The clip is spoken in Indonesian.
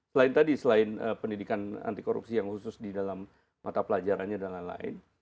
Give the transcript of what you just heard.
selain tadi selain pendidikan anti korupsi yang khusus di dalam mata pelajarannya dan lain lain